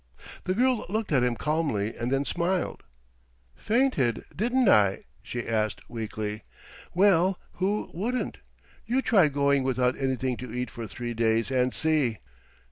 The girl looked at him calmly, and then smiled. "Fainted, didn't I?" she asked, weakly. "Well, who wouldn't? You try going without anything to eat for three days and see!"